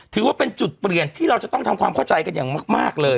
ถือว่าเป็นจุดเปลี่ยนที่เราจะต้องทำความเข้าใจกันอย่างมากเลย